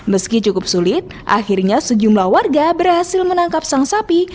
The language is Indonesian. meski cukup sulit akhirnya sejumlah warga berhasil menangkap sang sapi